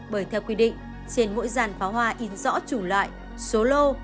bởi theo quy định trên mỗi dàn pháo hoa in rõ chủ loại số lô